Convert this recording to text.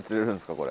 これ。